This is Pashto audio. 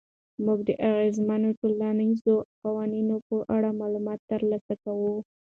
موږ د اغېزمنو ټولنیزو قوتونو په اړه معلومات ترلاسه کوو.